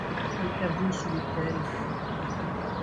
Le caveau sous l’autel !